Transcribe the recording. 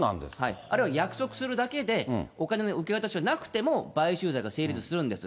あるいは、約束するだけで、お金の受け渡しはなくても買収罪が成立するんです。